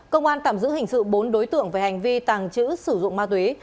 công an tạm giữ hình sự bốn đối tượng về hành vi tàng trữ sử dụng ma túy